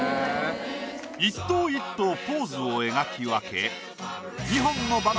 一頭一頭ポーズを描き分け。